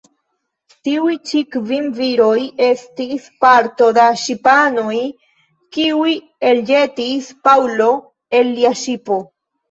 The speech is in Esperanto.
Tiuj-ĉi kvin viroj estis parto da ŝipanoj, kiuj elĵetis Paŭlo el lia ŝipo.